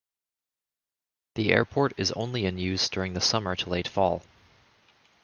The airport is only in use during the summer to late fall.